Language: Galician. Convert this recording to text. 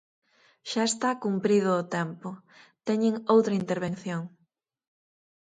Xa está cumprido o tempo, teñen outra intervención.